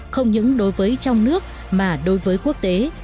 không những đối với trong nước mà đối với quốc tế